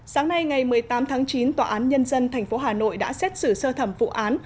sáng nay ngày một mươi tám tháng chín tòa án nhân dân tp hà nội đã xét xử sơ thẩm vụ án